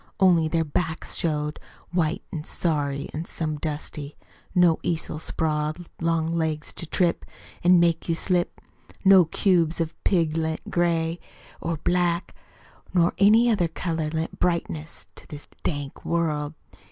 Only their backs showed White an' sorry an' some dusty. No easel sprawled long legs To trip An' make you slip. No cubes of pig lent gray Or black, Nor any other color lent brightness To this dank world.